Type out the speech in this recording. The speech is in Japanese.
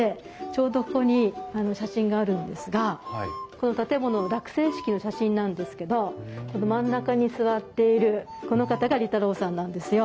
ちょうどここに写真があるんですがこの建物の落成式の写真なんですけどこの真ん中に座っているこの方が利太郎さんなんですよ。